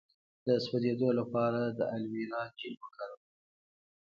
د سوځیدو لپاره د الوویرا جیل وکاروئ